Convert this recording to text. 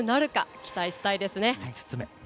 期待したいですね。